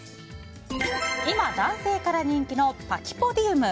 今、男性から人気のパキポディウム。